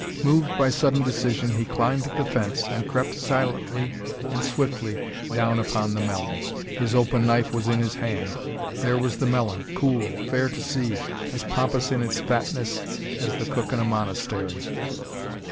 Moved by sudden decision, he climbed the fence and crept silently and swiftly down upon the melon. His open knife was in his hand. There was the melon, cool, fair to see, as pompous in its fatness as the cook in a monastery.